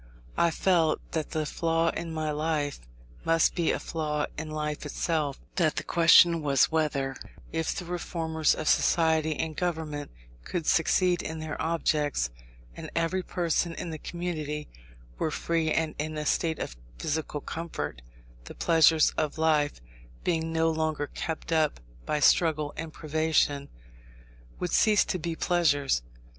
I felt that the flaw in my life, must be a flaw in life itself; that the question was, whether, if the reformers of society and government could succeed in their objects, and every person in the community were free and in a state of physical comfort, the pleasures of life, being no longer kept up by struggle and privation, would cease to be pleasures.